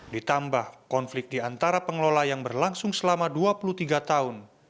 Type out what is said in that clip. ditambah konflik di antara pengelola yang berlangsung selama dua puluh tiga tahun